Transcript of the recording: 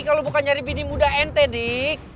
kalau bukan nyari bini muda ente dik